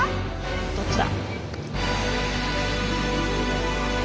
どっちだ？